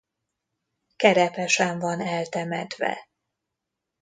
Kerepesen van eltemetve.